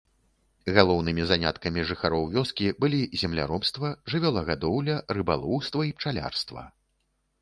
Галоўнымі заняткамі жыхароў вёскі былі земляробства, жывёлагадоўля, рыбалоўства і пчалярства.